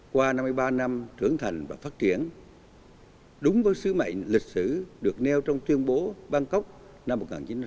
qua năm mươi ba năm trưởng thành và phát triển đúng với sứ mệnh lịch sử được nêu trong tuyên bố bangkok năm một nghìn chín trăm bảy mươi năm